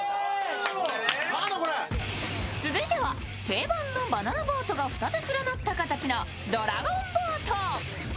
続いては定番のバナナボートが２つ連なった形のドラゴンボート。